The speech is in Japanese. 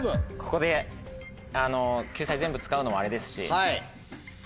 ここで救済全部使うのもあれですし。